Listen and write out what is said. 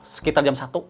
sekitar jam satu